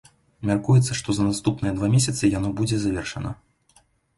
Мяркуецца, што за наступныя два месяцы яно будзе завершана.